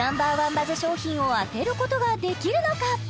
バズ商品を当てることができるのか？